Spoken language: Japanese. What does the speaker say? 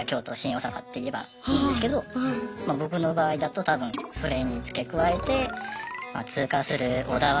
大阪って言えばいいんですけどま僕の場合だと多分それに付け加えて「通過する小田原